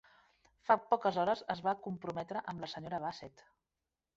Fa poques hores es va comprometre amb la senyoreta Bassett.